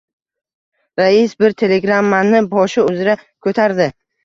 Rais bir telegrammani boshi uzra ko‘tardi.